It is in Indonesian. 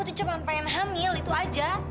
aduh chris aku tuh cuma pengen hamil itu aja